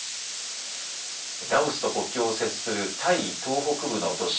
ラオスと国境を接するタイ東北部の都市